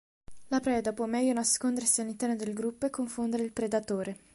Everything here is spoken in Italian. La preda può meglio nascondersi all'interno del gruppo e confondere il predatore.